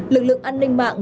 lực lượng an ninh mạng